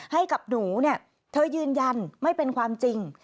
ให้กับหนูเนี่ยเธอยืนยันไม่เป็นความจริง